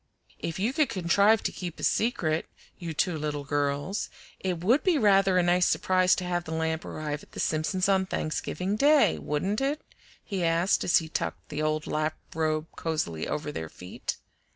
"If you could contrive to keep a secret, you two little girls, it would be rather a nice surprise to have the lamp arrive at the Simpsons' on Thanksgiving Day, wouldn't it?" he asked, as he tucked the old lap robe cosily over their feet.